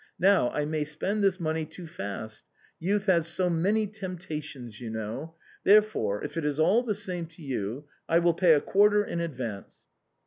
Now I may spend this money too fast. Youth has so many temptations, you know. There fore, if it is all the same to you, I will pay a quarter in ad vance."